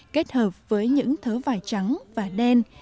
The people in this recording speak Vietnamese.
kết hợp với những thớ vải trắng và đen